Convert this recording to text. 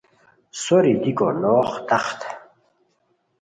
سوری دیکو نوغ تخت